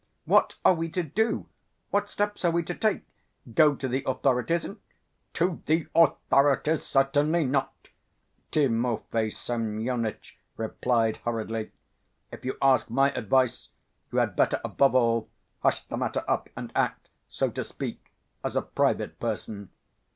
What are we to do? What steps are we to take? Go to the authorities and ..." "To the authorities? Certainly not," Timofey Semyonitch replied hurriedly. "If you ask my advice, you had better, above all, hush the matter up and act, so to speak, as a private person.